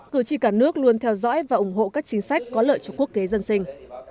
cử tri cả nước luôn theo dõi và ủng hộ các chính sách có lợi cho quốc kế dân sinh